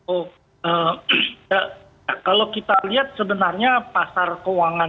oh ya kalau kita lihat sebenarnya pasar keuangan